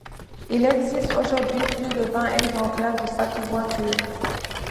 Il existe aujourd'hui plus de vingt exemplaires de cette voiture.